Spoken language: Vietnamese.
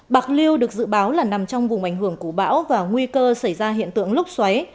bạc liêu được dự báo là nằm trong vùng ảnh hưởng của bão và nguy cơ xảy ra hiện tượng lúc xoáy